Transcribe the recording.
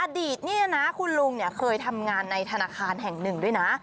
อดีตนี่นะคุณลุงเคยทำงานในธนาคารแห่งหนึ่งด้วยนะ